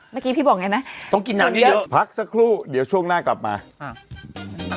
เนาะต้องกินน้ำเยอะเยอะพักสักครู่เดี๋ยวช่วงหน้ากลับมาอ่ะ